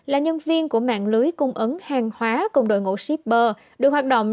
là nhân viên của mạng lưới cung ứng hàng hóa cùng đội ngũ shipper được hoạt động